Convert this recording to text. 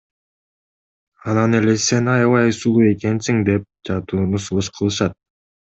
Анан эле Сен аябай сулуу экенсиң деп жатууну сунуш кылышат.